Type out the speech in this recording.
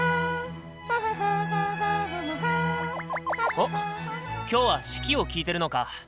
おっ今日は「四季」を聴いてるのか。